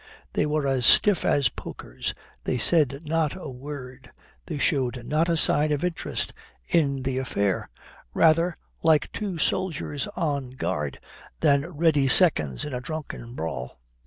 They were as stiff as pokers, they said not a word, they showed not a sign of interest in the affair rather like two soldiers on guard than ready seconds in a drunken brawl.